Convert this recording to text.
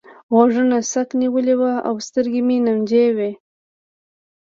غوږونه څک نيولي وو او سترګې مې نمجنې وې.